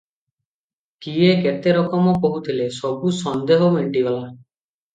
କିଏ କେତେ ରକମ କହୁଥିଲେ, ସବୁ ସନ୍ଦେହ ମେଣ୍ଟିଗଲା ।